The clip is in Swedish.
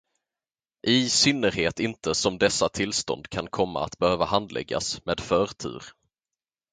I synnerhet inte som dessa tillstånd kan komma att behöva handläggas med förtur.